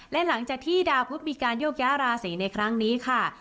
และหลังจากที่ดาวพุทธมีการโยกย้าราศีในครั้งนี้ค่ะ